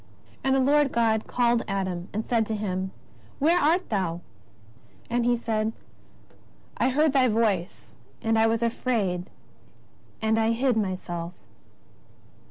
And the Lord God called Adam, and said to him: Where art thou ? And he said: I heard Thy voice, and I was afraid, and I hid myself.